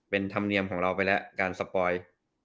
เป็นธรรมเนียมของเราไปแล้วการสปอย